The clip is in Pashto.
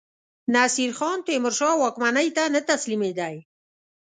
نصیرخان تیمورشاه واکمنۍ ته نه تسلیمېدی.